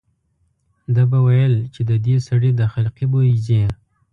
ده به ویل چې د دې سړي د خلقي بوی ځي.